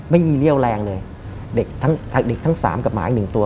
ไม่มีเรี่ยวแรงเลยเด็กทั้งเด็กทั้งสามกับหมาอีกหนึ่งตัว